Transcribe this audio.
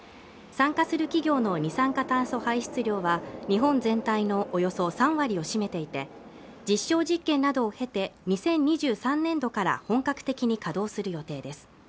参加する企業の二酸化炭素排出量は日本全体のおよそ３割を占めていて実証実験などをへて２０２３年度から本格的に稼働する予定です